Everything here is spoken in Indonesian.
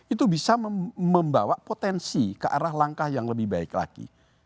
itu bisa membawa potensi ke arah langkah yang lebih baik lagi